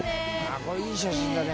これいい写真だね